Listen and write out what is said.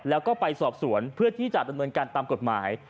แล้วก็ไปสอบสวนเพื่อที่จะดำเนินการตามกฎหมาย